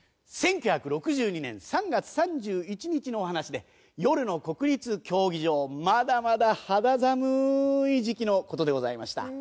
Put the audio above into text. １９６２年３月３１日のお話で夜の国立競技場まだまだ肌寒い時期の事でございました。